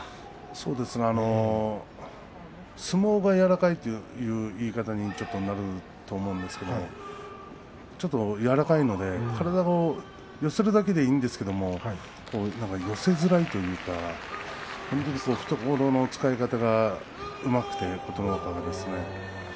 そうですね相撲が柔らかいという言い方にちょっとなると思うんですが体を寄せるだけでいいんですけれども寄せづらいというか懐の使い方がうまくて琴ノ若ですね